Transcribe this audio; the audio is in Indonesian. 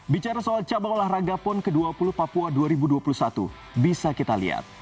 bicara soal cabang olahraga pon ke dua puluh papua dua ribu dua puluh satu bisa kita lihat